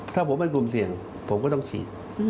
ถ้าผมเป็นกลุ่มเสี่ยงผมก็ต้องฉีด